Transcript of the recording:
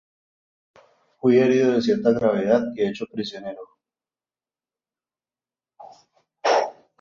Fue herido de cierta gravedad y hecho prisionero.